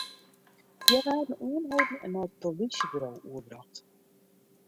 Hja waarden oanholden en nei it polysjeburo oerbrocht.